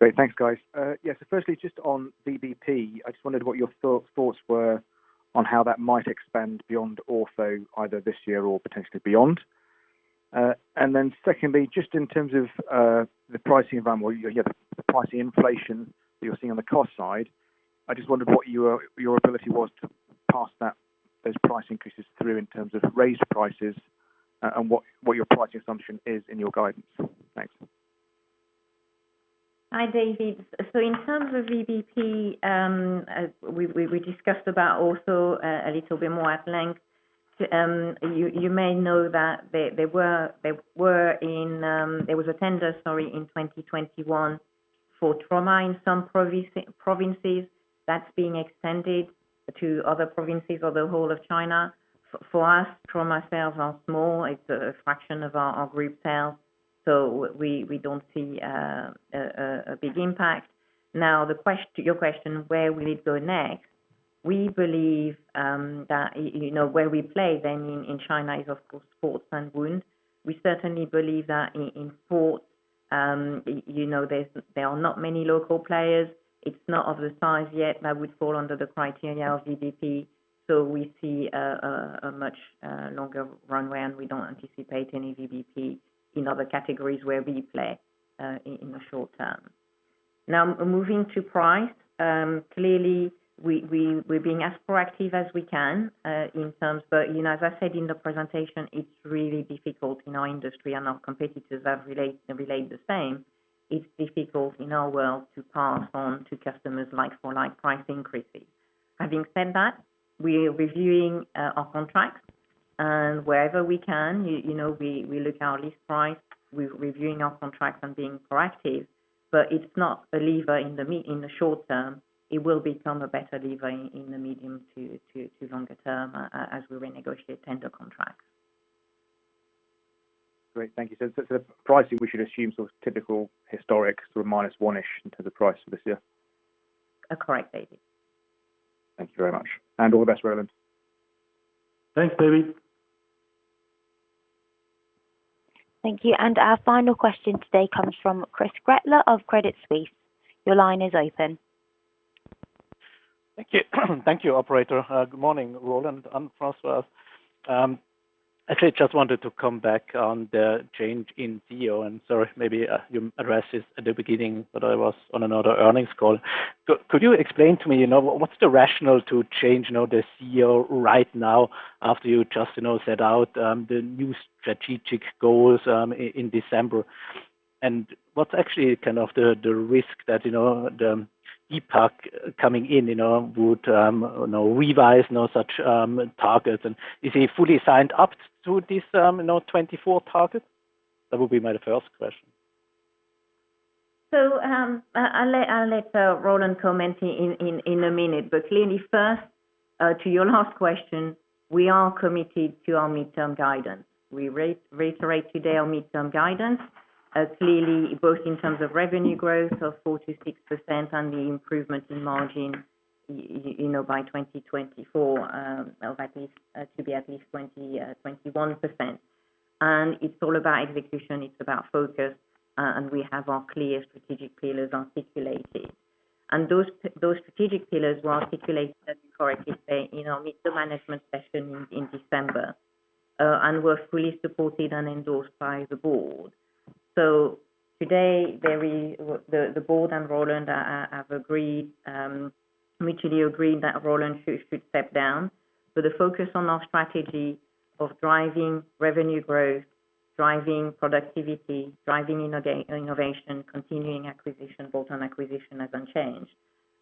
Great. Thanks, guys. Yes, firstly, just on VBP, I just wondered what your thoughts were on how that might expand beyond ortho either this year or potentially beyond. Secondly, just in terms of the pricing environment or yeah, the pricing inflation that you're seeing on the cost side, I just wondered what your ability was to pass those price increases through in terms of raised prices, and what your pricing assumption is in your guidance. Thanks. Hi, David. In terms of VBP, we discussed about also a little bit more at length. You may know that there was a tender, sorry, in 2021 for trauma in some provinces. That's being extended to other provinces or the whole of China. For us, trauma sales are small. It's a fraction of our group sales, so we don't see a big impact. Now, your question, where will it go next? We believe that you know where we play then in China is, of course, sports and wound. We certainly believe that in sports you know there are not many local players. It's not of the size yet that would fall under the criteria of VBP. We see a much longer runway, and we don't anticipate any VBP in other categories where we play in the short term. Now, moving to price, clearly, we're being as proactive as we can in terms. You know, as I said in the presentation, it's really difficult in our industry and our competitors have relayed the same. It's difficult in our world to pass on to customers like-for-like price increases. Having said that, we are reviewing our contracts, and wherever we can, you know, we look at our list price. We're reviewing our contracts and being proactive, but it's not a lever in the short term. It will become a better lever in the medium to longer term as we renegotiate tender contracts. Great. Thank you. The pricing we should assume sort of typical historic sort of minus one-ish into the price for this year. Correct, David. Thank you very much. All the best, Roland. Thanks, David. Thank you. Our final question today comes from Christoph Gretler of Credit Suisse. Your line is open. Thank you. Thank you, operator. Good morning, Roland and Anne-Françoise. Actually, just wanted to come back on the change in CEO, and sorry, maybe you addressed this at the beginning, but I was on another earnings call. Could you explain to me, you know, what's the rationale to change, you know, the CEO right now after you just, you know, set out the new strategic goals in December? And what's actually kind of the risk that, you know, the... coming in, you know, would you know, revise now such targets. Is he fully signed up to this, you know, 24 target? That would be my first question. I'll let Roland comment in a minute. Clearly first, to your last question, we are committed to our midterm guidance. We reiterate today our midterm guidance, clearly both in terms of revenue growth of 4%-6% and the improvement in margin, you know, by 2024, of at least 21%. It's all about execution, it's about focus, and we have our clear strategic pillars articulated. Those strategic pillars were articulated, as you correctly say, you know, with the management session in December, and were fully supported and endorsed by the board. Today, the board and Roland have agreed, mutually agreed that Roland should step down. The focus on our strategy of driving revenue growth, driving productivity, driving innovation, continuing bolt-on acquisitions has not changed.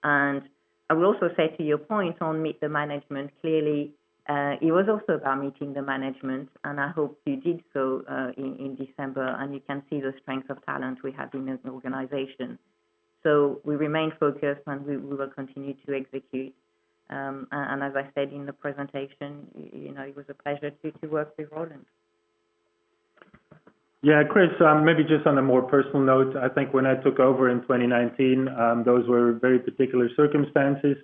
I will also say to your point on meeting the management, clearly, it was also about meeting the management, and I hope you did so in December, and you can see the strength of talent we have in this organization. We remain focused, and we will continue to execute. And as I said in the presentation, you know, it was a pleasure to work with Roland. Yeah, Chris, maybe just on a more personal note, I think when I took over in 2019, those were very particular circumstances.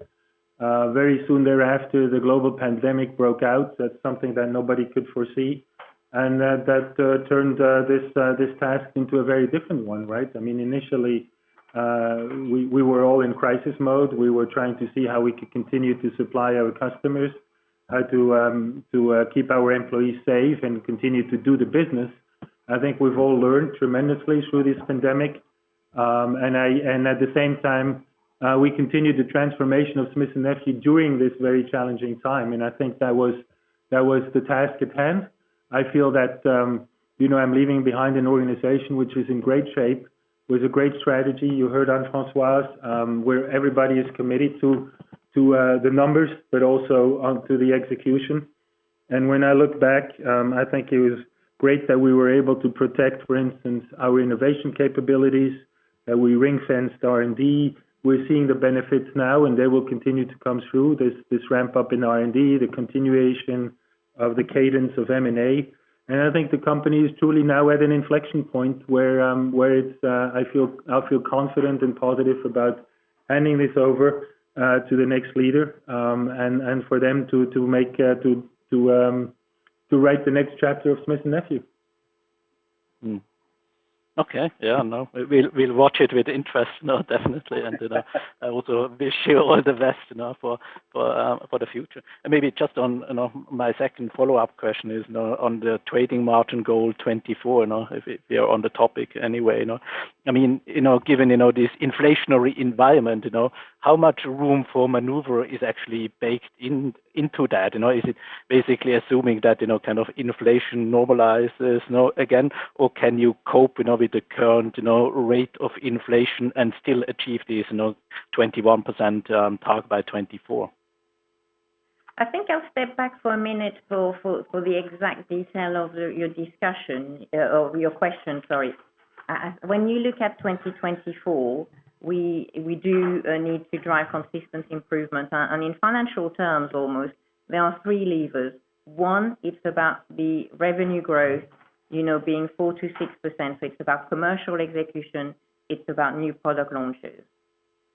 Very soon thereafter, the global pandemic broke out. That's something that nobody could foresee. That turned this task into a very different one, right? I mean, initially, we were all in crisis mode. We were trying to see how we could continue to supply our customers, how to keep our employees safe and continue to do the business. I think we've all learned tremendously through this pandemic. At the same time, we continued the transformation of Smith & Nephew during this very challenging time. I think that was the task at hand. I feel that, you know, I'm leaving behind an organization which is in great shape, with a great strategy. You heard Anne-Françoise, where everybody is committed to the numbers, but also to the execution. When I look back, I think it was great that we were able to protect, for instance, our innovation capabilities, that we ring-fenced R&D. We're seeing the benefits now, and they will continue to come through this ramp-up in R&D, the continuation of the cadence of M&A. I think the company is truly now at an inflection point where I feel confident and positive about handing this over to the next leader, and for them to write the next chapter of Smith & Nephew. No, we'll watch it with interest. No, definitely. You know, I also wish you all the best, you know, for the future. Maybe just on, you know, my second follow-up question is, you know, on the trading margin goal 2024, you know, if we're on the topic anyway, you know. I mean, you know, given, you know, this inflationary environment, you know, how much room for maneuver is actually baked into that, you know? Is it basically assuming that, you know, kind of inflation normalizes, you know, again? Or can you cope, you know, with the current, you know, rate of inflation and still achieve this, you know, 21% target by 2024? I think I'll step back for a minute for the exact detail of your discussion or your question, sorry. When you look at 2024, we do need to drive consistent improvement. In financial terms almost, there are three levers. One, it's about the revenue growth, you know, being 4%-6%. It's about commercial execution, it's about new product launches.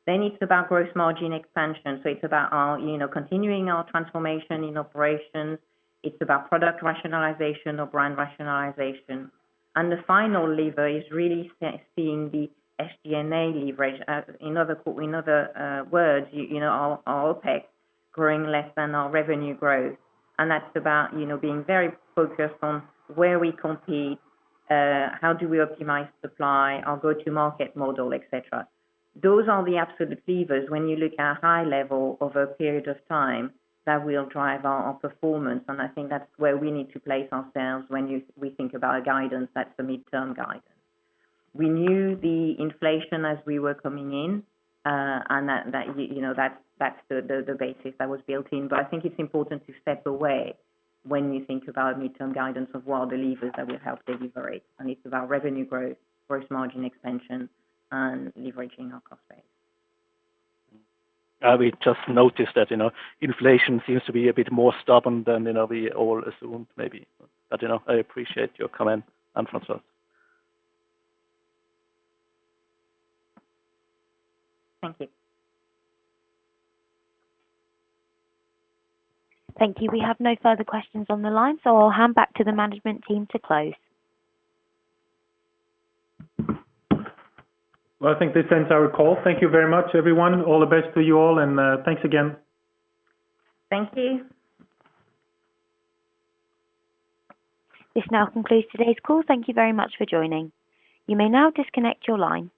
It's about gross margin expansion. It's about our, you know, continuing our transformation in operations. It's about product rationalization or brand rationalization. The final lever is really seeing the SG&A leverage. In other words, you know, our OPEX growing less than our revenue growth. That's about, you know, being very focused on where we compete, how do we optimize supply, our go-to-market model, et cetera. Those are the absolute levers when you look at high level over a period of time that will drive our performance. I think that's where we need to place ourselves when we think about our guidance. That's the midterm guidance. We knew the inflation as we were coming in, and that's the basis that was built in. I think it's important to step away when you think about midterm guidance of what are the levers that will help deliver it. It's about revenue growth, gross margin expansion, and leveraging our cost base. We just noticed that, you know, inflation seems to be a bit more stubborn than, you know, we all assumed maybe. You know, I appreciate your comment, Anne-Françoise. Thank you. Thank you. We have no further questions on the line, so I'll hand back to the management team to close. Well, I think this ends our call. Thank you very much, everyone. All the best to you all, and, thanks again. Thank you. This now concludes today's call. Thank you very much for joining. You may now disconnect your line.